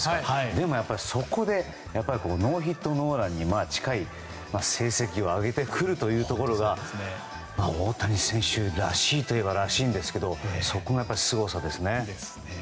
でもそこでノーヒットノーランに近い成績を挙げてくるというところが大谷選手らしいといえばらしいんですけどそこがすごさですね。